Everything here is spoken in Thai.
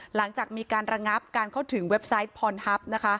หลังจากมีการระงับการเข้าถึงเว็บไซต์พรฮัพ